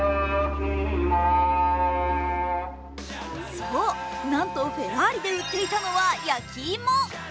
そう、なんとフェラーリで売っていたのは、焼き芋。